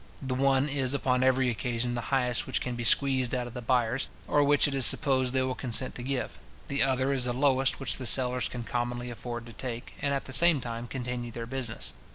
The one is upon every occasion the highest which can be squeezed out of the buyers, or which it is supposed they will consent to give; the other is the lowest which the sellers can commonly afford to take, and at the same time continue their business.